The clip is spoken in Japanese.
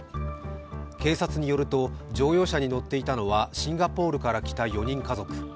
警察によると乗用車に乗っていたのはシンガポールから来た４人家族。